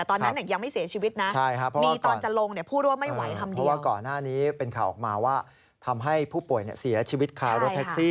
แต่ตอนนั้นยังไม่เสียชีวิตนะ